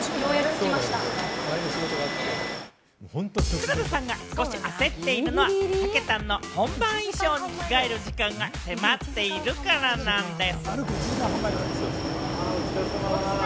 黒田さんが少し焦っているのはたけたんが本番衣装に着替える時間が迫っているからなんです。